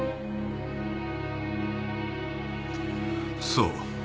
そう。